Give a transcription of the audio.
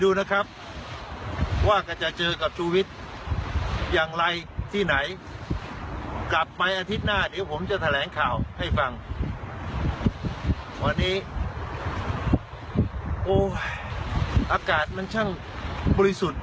อิสระภาพกับเสร็จภาพนี้มันสุดยอดจริงครับ